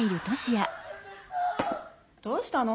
どうしたの？